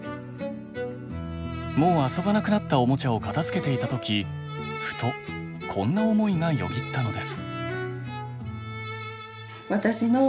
もう遊ばなくなったおもちゃを片づけていた時ふとこんな思いがよぎったのです。